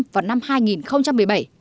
vào năm hai nghìn một mươi bảy